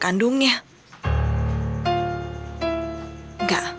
kenapa dia bisa bertemu dengan ayah kandungnya